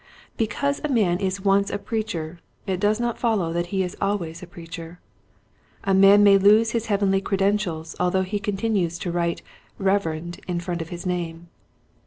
Because a man is once a preacher it does not follow that he is always a preacher. A man may lose his heavenly credentials although he continues to write " Reverend " in front of his name.